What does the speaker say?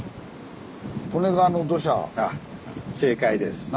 正解です。